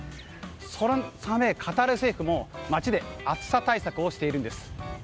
そのためカタール政府も街で暑さ対策をしているんです。